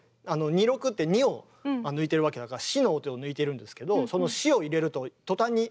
「二六」って２音抜いてるわけだから「シ」の音を抜いてるんですけどその「シ」を入れると途端に。